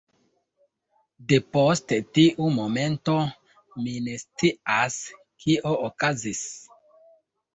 Depost tiu momento, mi ne scias, kio okazis.